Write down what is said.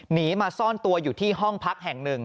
หนีมาซ่อนตัวอยู่ที่ห้องพักแห่งหนึ่ง